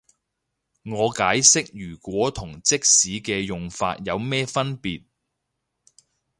我解釋如果同即使嘅用法有咩分別